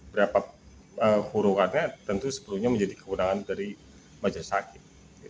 berapa kurungannya tentu sepenuhnya menjadi kekurangan dari majelis hakim